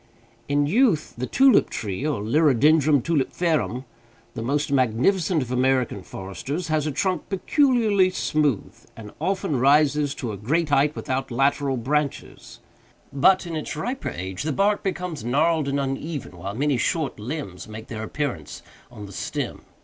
In youth, the tulip tree, or Liriodendron Tulipferum, the most magnificent of American foresters, has a trunk peculiarly smooth, and often rises to a great height without lateral branches; but, in its riper age, the bark becomes gnarled and uneven, while many short limbs make their appearance on the stem.